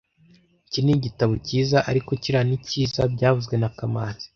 Iki ni ibitabo cyiza, ariko kiriya ni cyiza byavuzwe na kamanzi